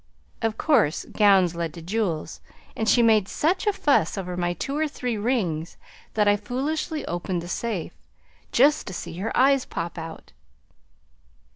Of course gowns led to jewels, and she made such a fuss over my two or three rings that I foolishly opened the safe, just to see her eyes pop out.